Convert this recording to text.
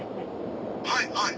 はいはい。